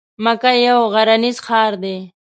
مکه یو غرنیز ښار دی.